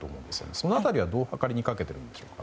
その辺りは、どうはかりにかけているんでしょうか。